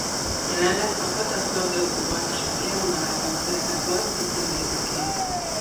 Jelenleg a kazah labdarúgó-bajnokság élvonalában szerepel bajnoki címvédőként.